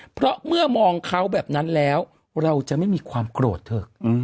เพราะเมื่อมองเขาแบบนั้นแล้วเราจะไม่มีความโกรธเถอะ